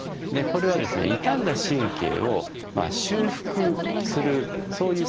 これはですね傷んだ神経を修復するそういう作用がありますね。